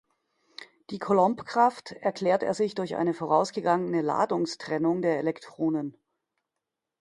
Die Coulombkraft erklärt er sich durch eine vorausgegangene Ladungstrennung der Elektronen.